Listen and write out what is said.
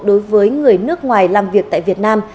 đối với người nước ngoài làm việc tại việt nam